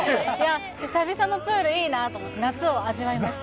久々のプールいいなと思って、夏を味わいました。